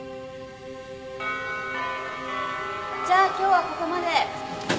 じゃあ今日はここまで。